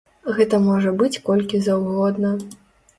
Гэта можа быць колькі заўгодна.